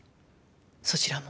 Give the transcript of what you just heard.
そちらも。